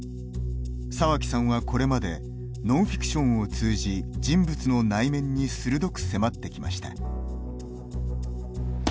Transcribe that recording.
沢木さんはこれまでノンフィクションを通じ人物の内面に鋭く迫ってきました。